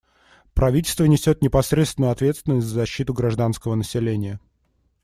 Правительство несет непосредственную ответственность за защиту гражданского населения.